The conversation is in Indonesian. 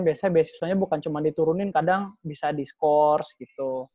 biasanya beasiswanya bukan cuma diturunin kadang bisa diskors gitu